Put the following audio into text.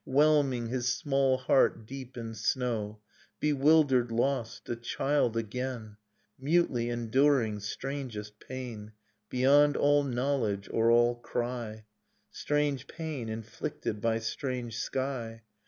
Whelming his small heart deep in snow. Bewildered, lost, a child again, ' Mutely enduring strangest pain [ii6] Dust in Starlight Beyond all knowledge or all cry, Strange pain inflicted by strange sky.